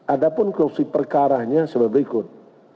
ada pun kruksi perkaraannya seperti berikut